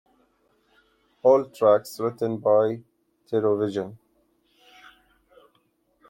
All tracks written by Terrorvision.